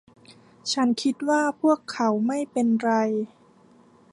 ฉันคิดว่าพวกเขาไม่เป็นไร